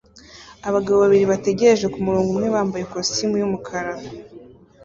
abagabo babiri bategereje kumurongo umwe bambaye ikositimu yumukara